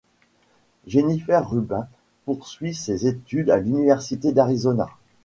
Jennifer Rubin poursuit ses études à l'université d'Arizona.